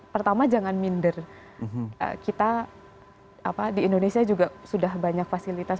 pertama jangan minder kita di indonesia juga sudah banyak fasilitas